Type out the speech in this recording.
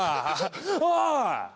おい！